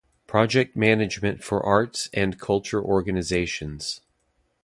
Project management for arts and culture organizations.